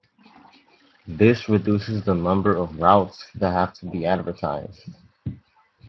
This reduces the number of routes that have to be advertised.